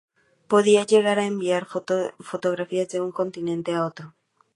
Podía llegar a enviar fotografías de un continente a otro.